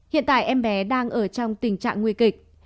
hiện tại em bé đang ở trong tình trạng nguy kịch